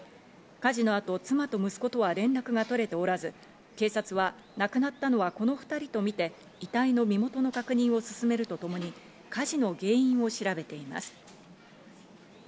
火事のあと、妻と息子とは連絡が取れておらず、警察は亡くなったのはこの２人とみて遺体の身元の確認を進めるとともに火事の原因を調べています。